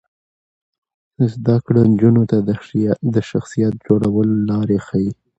زده کړه نجونو ته د شخصیت جوړولو لارې ښيي.